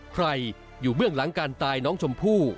ใครอยู่เบื้องหลังการตายน้องชมพู่